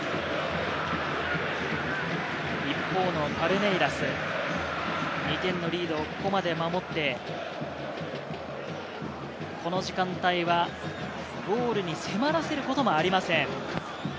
一方のパルメイラス、２点のリードをここまで守って、この時間帯はゴールに迫らせることもありません。